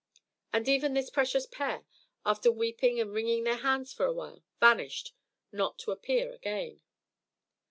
And even this precious pair, after weeping and wringing their hands for a while, vanished, not to appear again.